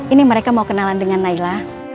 ini mereka mau kenalan dengan naila